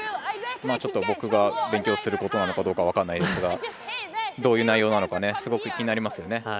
ちょっと、僕が勉強することなのかどうか分からないんですがどういう内容なのかすごく気になりますよね。